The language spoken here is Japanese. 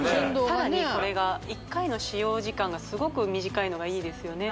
さらにこれが１回の使用時間がすごく短いのがいいですよね